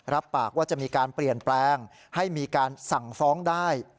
รับปากว่าจะมีการเปลี่ยนแปลงให้มีการสั่งฟ้องได้